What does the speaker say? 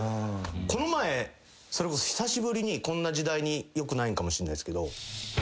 この前それこそ久しぶりにこんな時代によくないんかもしんないすけど。